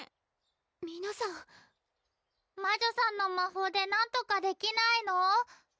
皆さん魔女さんの魔法でなんとかできないの？